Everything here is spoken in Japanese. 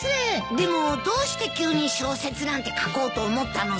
でもどうして急に小説なんて書こうと思ったのさ。